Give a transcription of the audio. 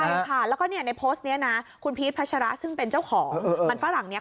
ใช่ค่ะแล้วก็ในโพสต์นี้นะคุณพีชพัชระซึ่งเป็นเจ้าของมันฝรั่งนี้